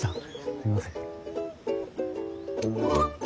すいません。